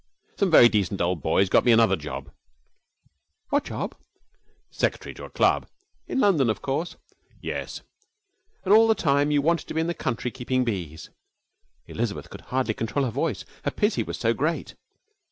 Some very decent old boys got me another job.' 'What job?' 'Secretary to a club.' 'In London, of course?' 'Yes.' 'And all the time you wanted to be in the country keeping bees!' Elizabeth could hardly control her voice, her pity was so great.